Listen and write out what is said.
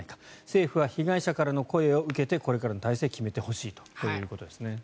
政府は被害者からの声を受けてこれからの体制を決めてほしいということですね。